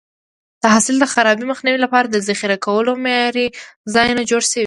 د حاصل د خرابي مخنیوي لپاره د ذخیره کولو معیاري ځایونه جوړ شي.